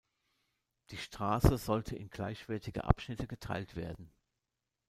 Die Straße sollte in gleichwertige Abschnitte geteilt werden.